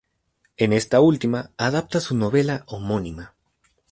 En esta última, adapta su novela homónima.